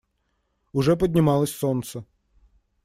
Уже поднималось солнце.